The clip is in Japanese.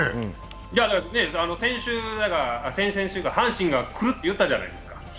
先週か先々週か、阪神が来るって言ったじゃないですか。